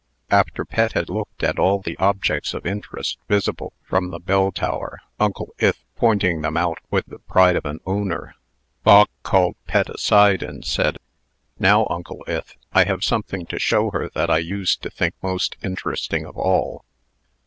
After Pet had looked at all the objects of interest visible from the bell tower Uncle Ith pointing them out with the pride of an owner Bog called Pet aside, and said, "Now, Uncle Ith, I have something to show her that I used to think most interesting of all."